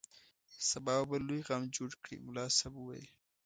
سبا به بل لوی غم جوړ کړي ملا صاحب وویل.